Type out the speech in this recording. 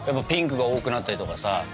ピンクが多くなったりとかさ。